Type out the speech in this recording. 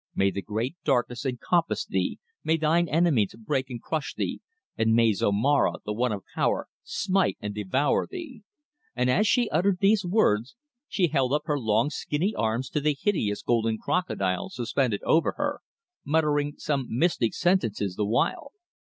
May the Great Darkness encompass thee, may thine enemies break and crush thee, and may Zomara, the One of Power, smite and devour thee," and as she uttered these words she held up her long skinny arms to the hideous golden crocodile suspended over her, muttering some mystic sentences the while.